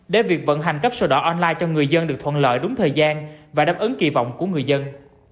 để việc vận hành cấp sổ đỏ online cho người dân được thuận lợi đúng thời gian và đáp ứng kỳ vọng của người dân